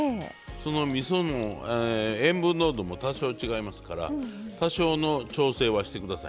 そのみそも塩分濃度も多少違いますから多少の調整はしてくださいね。